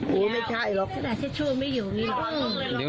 โหไม่ใช่หรอกกระดาษชู่ไม่อยู่นี่หรอก